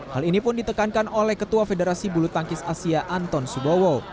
hal ini pun ditekankan oleh ketua federasi bulu tangkis asia anton subowo